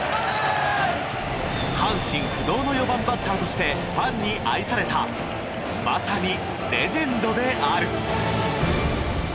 阪神不動の４番バッターとしてファンに愛されたまさにレジェンドである。